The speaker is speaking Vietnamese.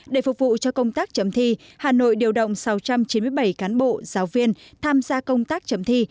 để phục vụ cho công tác chấm thi hà nội điều động sáu trăm chín mươi bảy cán bộ giáo viên tham gia công tác chấm thi